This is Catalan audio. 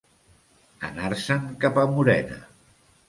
Anar-se'n cap a Morena.